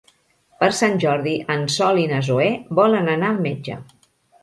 Per Sant Jordi en Sol i na Zoè volen anar al metge.